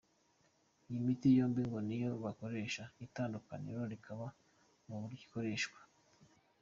Iyi miti yombi ngo niyo bakoresha, itandukaniro rikaba mu buryo ikoreshwa.